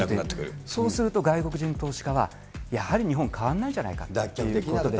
そうすると外国人投資家は、やはり日本変わらないじゃないかということで。